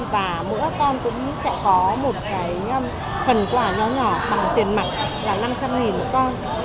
và mỗi các con cũng sẽ có một cái phần quả nhỏ nhỏ bằng tiền mạng là năm trăm linh nghìn một con